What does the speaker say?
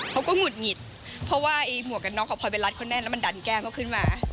เขาก็หงุดหงิดเพราะว่าหมวกกับน้องของพลอยเป็นรัฐคนแน่นแล้วมันดันแก้งเขาขึ้นมา